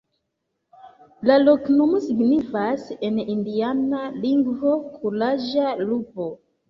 La loknomo signifas en indiana lingvo: kuraĝa lupo.